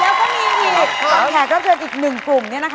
แล้วก็มีอีกแขกรับเฉยอีก๑กลุ่มเนี่ยนะคะ